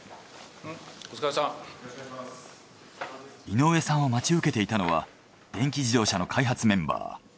井上さんを待ち受けていたのは電気自動車の開発メンバー。